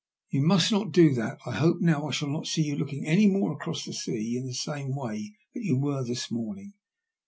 You must not do that. I hope now I shall not see you looking any more across the sea in the same way that you were this morning.